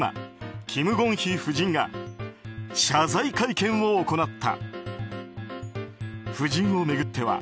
キム・ゴンヒ夫人が謝罪会見を行った。